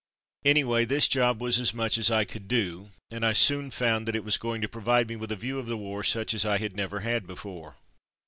Anyway this job was as much as I could do, and I soon found that it was going to provide me with a view of the war such as I had never had before.